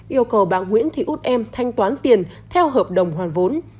yêu cầu bà nguyễn thị út em thanh toán tiền theo hợp đồng hoàn vốn